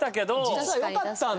実はよかったんだ？